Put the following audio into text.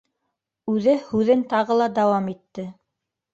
Үҙе һүҙен тағы ла дауам итте.